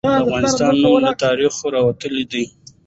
د افغانستان نوم له تاریخه راوتلي ده.